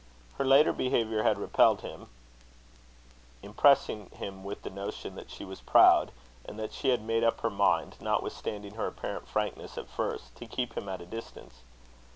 Her later behaviour had repelled him, impressing him with the notion that she was proud, and that she had made up her mind, notwithstanding her apparent frankness at first, to keep him at a distance.